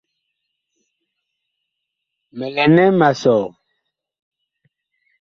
Mi lɛ nɛ ma sɔ ?